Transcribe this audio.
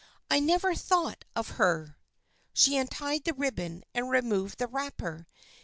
I never thought of her." She untied the ribbon and removed the wrap per.